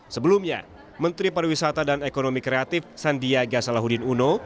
sebelumnya menteri pariwisata dan ekonomi kreatif sandiaga salahuddin uno